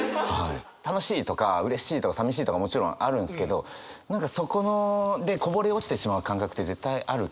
楽しいとかうれしいとかさみしいとかもちろんあるんですけど何かそこでこぼれ落ちてしまう感覚って絶対ある気がしてて。